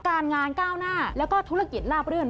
การงานก้าวหน้าแล้วก็ธุรกิจลาบรื่น